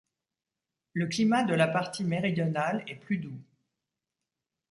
Le climat de la partie méridionale est plus doux.